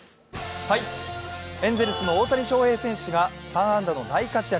エンゼルスの大谷翔平選手が３安打の大活躍。